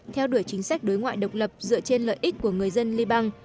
theo đuổi chính sách đối ngoại độc lập dựa trên lợi ích của người dân liên bang